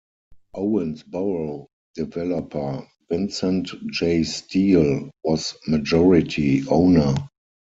Owensboro developer Vincent J. Steele was majority owner.